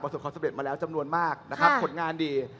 มาส่งความสำเร็จมาแล้วจำนวนมากผลงานดี